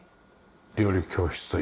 料理教室というか。